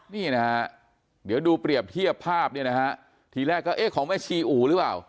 นี่นะฮะเดี๋ยวดูเปรียบเทียบภาพเนี่ยนะฮะทีแรกก็เอ๊ะของแม่ชีอู๋หรือเปล่า